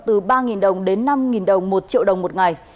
từ ba đồng đến năm đồng một triệu đồng một ngày